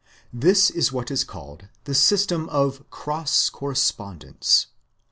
This is what is called the system of "cross correspondence."